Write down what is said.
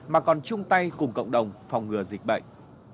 mà còn chung tay cùng cộng đồng phòng ngừa dịch bệnh